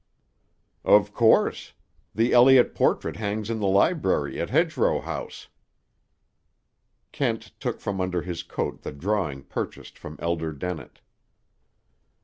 "Of course. The Elliott portrait hangs in the library at Hedgerow House." Kent took from under his coat the drawing purchased from Elder Dennett.